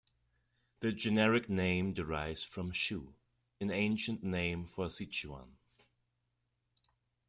The generic name derives from "Shu", an ancient name for Sichuan.